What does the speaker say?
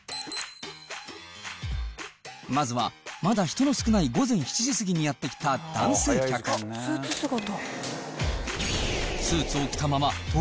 まずはまだ人の少ない午前７時過ぎにやって来た男性客。を始めたが。